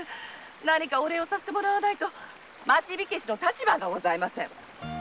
何かお礼をさせてもらわないと町火消の立場がございません。